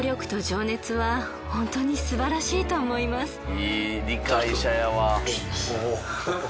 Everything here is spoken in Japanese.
いい理解者やわ。